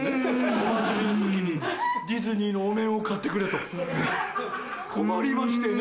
お祭りの時にディズニーのお面を買ってくれと困りましてね。